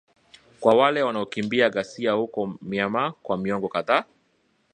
kwa wale wanaokimbia ghasia huko Myanmar kwa miongo kadhaa